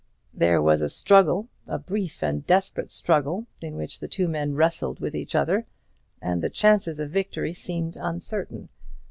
There was a struggle, a brief and desperate struggle, in which the two men wrestled with each other, and the chances of victory seemed uncertain.